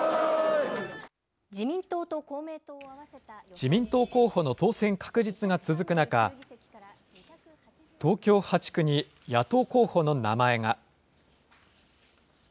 自民党候補の当選確実が続く中、東京８区に野党候補の名前が。